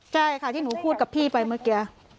ใช่ค่ะที่หนูพูดกับพี่ไปเมื่อกี้